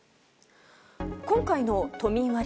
今回の都民割。